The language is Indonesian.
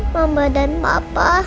mama dan papa